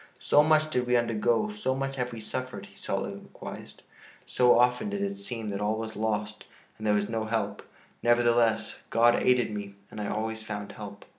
"So much did we undergo, so much have we suffered," he soliloquized, "so often did it seem that all was lost and that there was no help; nevertheless, God aided me and I always found help.